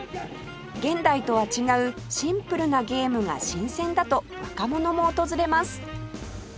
現代とは違うシンプルなゲームが新鮮だと若者も訪れます